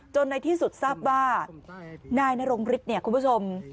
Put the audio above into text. ในที่สุดทราบว่านายนรงฤทธิ์เนี่ยคุณผู้ชม